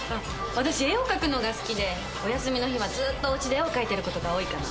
私絵を描くのが好きでお休みの日はずっとおうちで絵を描いてることが多いかな。